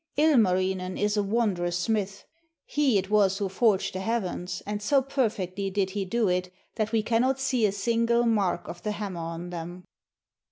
Ilmarinen is a wondrous smith; he it was who forged the heavens, and so perfectly did he do it that we cannot see a single mark of the hammer on them.'